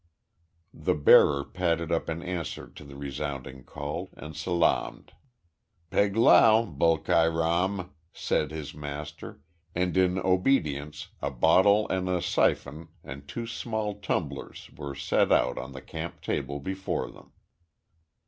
The bearer padded up in answer to the resounding call, and salaamed. "Peg lao, Bolaki Ram," said his master, and in obedience a bottle and a syphon and two tall tumblers were set out on the camp table before them.